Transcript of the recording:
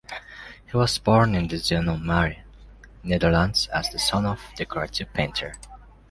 He was born in Zonnemaire, Netherlands as the son of a decorative painter.